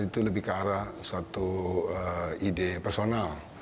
itu lebih ke arah satu ide personal